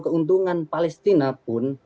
keuntungan palestina pun